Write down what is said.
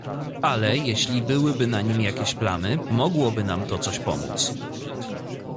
"Ale, jeśliby były na nim jakieś plamy, mogłoby nam to coś pomóc."